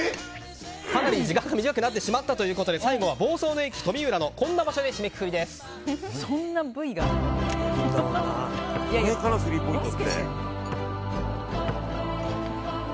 かなり時間が短くなったということで最後は房総の駅とみうらのこんな場所でこの辺かな、スリーポイント。